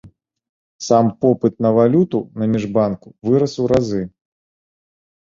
Сам попыт на валюту на міжбанку вырас у разы.